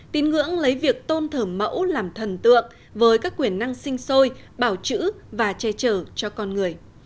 tín ngưỡng lấy việc tôn thờ mẫu làm thần tượng với các quyền năng sinh sôi bảo chữ và che chở cho con người